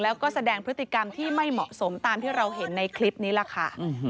แล้วก็แสดงพฤติกรรมที่ไม่เหมาะสมตามที่เราเห็นในคลิปนี้แหละค่ะ